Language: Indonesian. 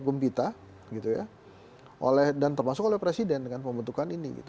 kemudian dia dihormati oleh republik bempita dan termasuk oleh presiden dengan pembentukan ini